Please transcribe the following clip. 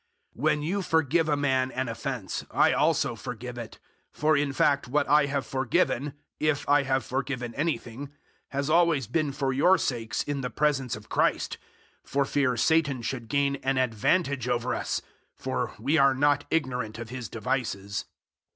002:010 When you forgive a man an offence I also forgive it; for in fact what I have forgiven, if I have forgiven anything, has always been for your sakes in the presence of Christ, 002:011 for fear Satan should gain an advantage over us. For we are not ignorant of his devices.